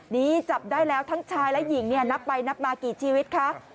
นี่จับได้แล้วทั้งชายและหญิงเนี่ยนับไปนับมากี่ชีวิตคะ